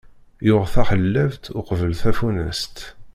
Yuɣ taḥellabt uqbel tafunast.